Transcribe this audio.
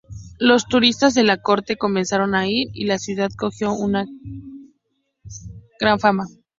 Los turistas de la Corte comenzaron a ir y la ciudad cogió gran fama.